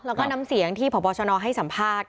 แล้วก็น้ำเสียงที่พบชนให้สัมภาษณ์